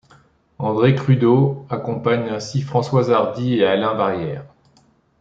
André Crudo accompagne ensuite Françoise Hardy et Alain Barrière.